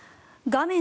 画面